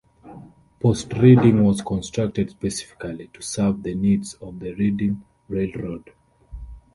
Port Reading was constructed specifically to serve the needs of the Reading Railroad.